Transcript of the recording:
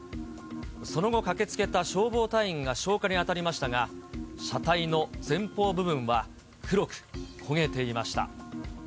その後、駆けつけた消防隊員が消火に当たりましたが、車体の前方部分は黒く焦げていました。